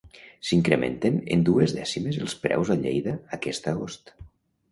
S'incrementen en dues dècimes els preus a Lleida aquest agost.